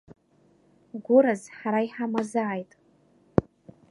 Гәыраз ҳара иҳамазааит…